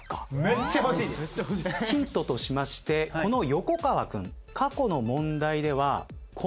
ヒントとしましてこの横川君。